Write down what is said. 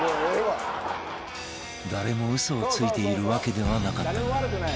誰も嘘をついているわけではなかったが